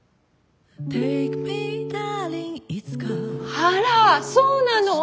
あらそうなの？